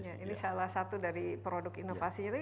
ini salah satu dari produk inovasi